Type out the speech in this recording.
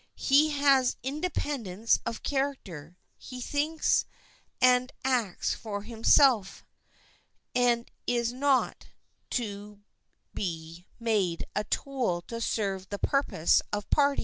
He has independence of character; he thinks and acts for himself, and is not to be made a tool to serve the purpose of party.